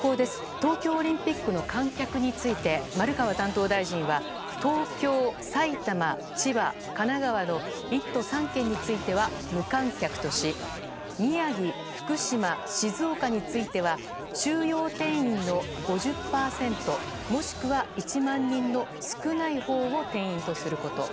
東京オリンピックの観客について丸川担当大臣は東京、埼玉、千葉、神奈川の１都３県については無観客とし宮城、福島、静岡については収容定員の５０％もしくは１万人の少ないほうを定員とすること。